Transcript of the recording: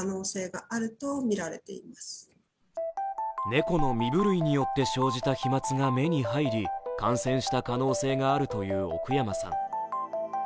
猫の身震いによって生じた飛まつが目に入り感染した可能性があるという奥山さん。